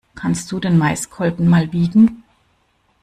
Kannst du den Maiskolben mal wiegen?